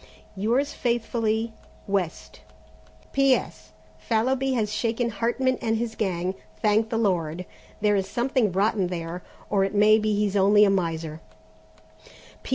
"Yours faithfully, "West. "P.S. Fallowby has shaken Hartman and his gang, thank the Lord! There is something rotten there, or it may be he's only a miser.